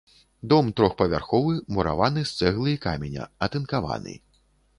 Дом трохпавярховы, мураваны з цэглы і каменя, атынкаваны.